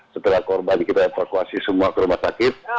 setelah korban kita evakuasi semua ke rumah sakit